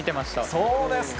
そうですか。